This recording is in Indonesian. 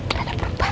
gak ada perubahan